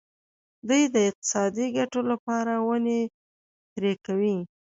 دوی د اقتصادي ګټو لپاره ونې پرې کوي.